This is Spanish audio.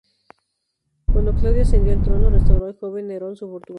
Cuando Claudio ascendió al trono restauró al joven Nerón su fortuna.